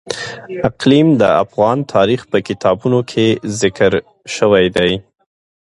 اقلیم د افغان تاریخ په کتابونو کې ذکر شوی دي.